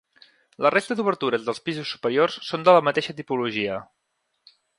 La resta d'obertures dels pisos superiors són de la mateixa tipologia.